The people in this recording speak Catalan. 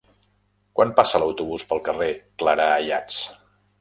Quan passa l'autobús pel carrer Clarà Ayats?